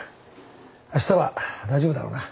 あしたは大丈夫だろうな。